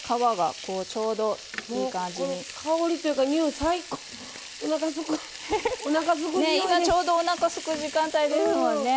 今ちょうどおなかすく時間帯ですもんね。